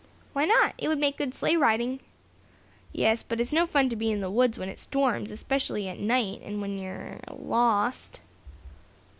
"Why not? It would make good sleigh riding." "Yes, but it's no fun to be in the woods when it storms; especially at night and when you're lost."